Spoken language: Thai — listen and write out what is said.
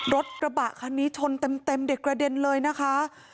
รถกระบะคันนี้ชนเต็มเด็กกระเด็นเลยนะคะ